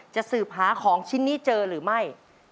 จะสืบหาของชิ้นนี้เจอหรือไม่